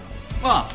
ああ！